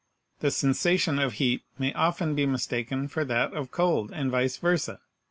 The sensation of heat may often be mistaken for that of cold, and vice versa.